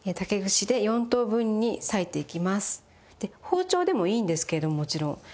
包丁でもいいんですけれどももちろん。